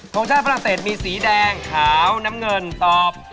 ทรงชาติฝรั่งเศสมีสีแดงขาวน้ำเงินตอบ